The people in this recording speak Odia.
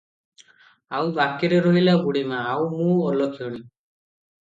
ଆଉ ବାକିରେ ରହିଲା ବଢ଼ୀମା, ଆଉ ମୁଁ ଅଲକ୍ଷଣୀ ।